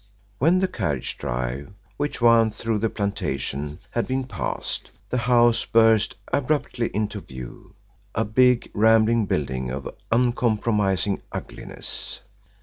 When the carriage drive which wound through the plantation had been passed the house burst abruptly into view a big, rambling building of uncompromising ugliness.